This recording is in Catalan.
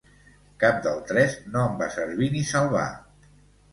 Cap del tres no em va servir ni salvar.